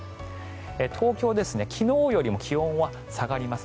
東京、昨日よりも気温は下がります。